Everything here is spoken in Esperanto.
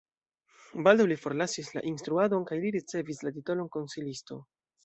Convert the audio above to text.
Baldaŭ li forlasis la instruadon kaj li ricevis la titolon konsilisto.